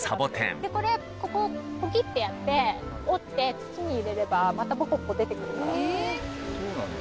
でこれここをポキッてやって折って土に入れればまたポコポコ出てくるから。